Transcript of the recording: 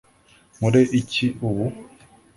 nkore iki ubu